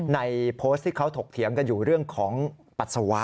โพสต์ที่เขาถกเถียงกันอยู่เรื่องของปัสสาวะ